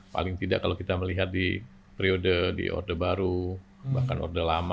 paling tidak kalau kita melihat di periode di orde baru bahkan orde lama